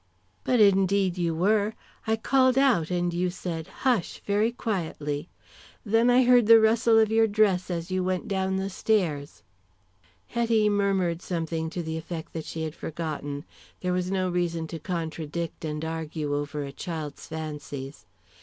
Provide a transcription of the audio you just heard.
"But indeed you were. I called out and you said 'Hush' very quietly. Then I heard the rustle of your dress as you went down the stairs." Hetty murmured something to the effect that she had forgotten. There was no reason to contradict and argue over a child's fancies.